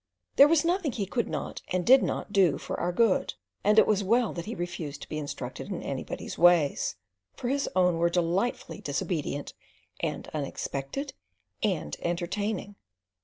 There was nothing he could not and did not do for our good, and it was well that he refused to be instructed in anybody's ways, for his own were delightfully disobedient and unexpected and entertaining.